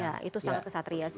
iya itu sangat kesatria sih